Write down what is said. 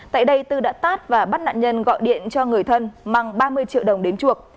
tại đây tư đã tát và bắt nạn nhân gọi điện cho người thân mang ba mươi triệu đồng đến chuộc